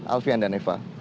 alvian dan eva